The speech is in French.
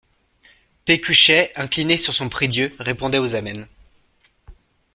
Pécuchet incliné sur son prie-Dieu répondait aux Amen.